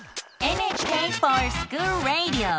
「ＮＨＫｆｏｒＳｃｈｏｏｌＲａｄｉｏ」。